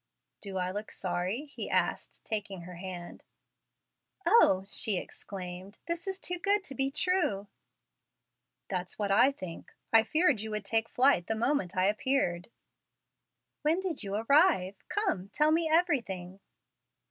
"Do I look sorry?" he asked, taking her hand. "Oh!" she exclaimed; "this is too good to be true!" "That's what I think, I feared you would take flight the moment I appeared." "When did you arrive? Come, tell me everything."